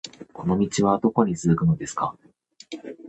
この道はどこに続くのですか